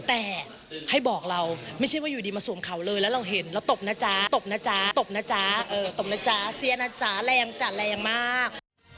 แต่ให้บอกเราไม่ใช่ว่าอยู่ดีมาสวมเขาเลยแล้วเราเห็นเราตบนะจ๊ะตบนะจ๊ะตบนะจ๊ะตบนะจ๊ะเสียนะจ๊ะแรงจ้ะแรงมาก